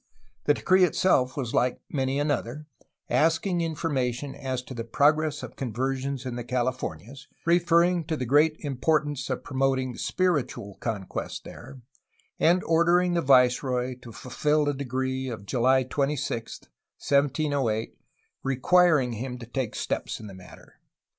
The decree itself was Hke many another, asking information as to the progress of conversions in the Cali fornias, referring to the great importance of promoting spiritual conquest there, and ordering the viceroy to fulfil a decree of July 26, 1708, requiring him to take steps in the matter.